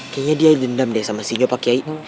kayanya dia dendam deh sama sinyo pak giai